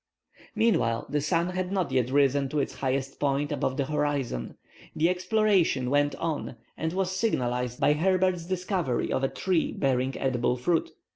Meanwhile the sun had not yet risen to its highest point above the horizon. The exploration went on and was signalized by Herbert's discovery of a tree bearing edible fruit.